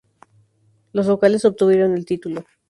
Los locales obtuvieron el título.